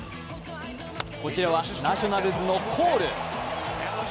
こちらはナショナルズのコール。